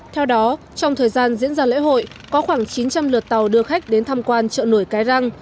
theo đó trong thời gian diễn ra lễ hội có khoảng chín trăm linh lượt tàu đưa khách đến tham quan trợ nổi cái răng